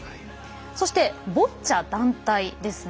そして、ボッチャ団体ですね。